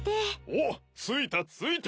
おっついたついた！